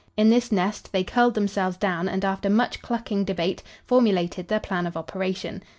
In this nest they curled themselves down and, after much clucking debate, formulated their plan of operation.